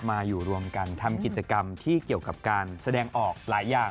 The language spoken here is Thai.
มาอยู่รวมกันทำกิจกรรมที่เกี่ยวกับการแสดงออกหลายอย่าง